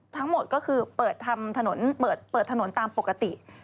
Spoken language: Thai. ทั้งหมดก็คือเปิดถนนตามปกติ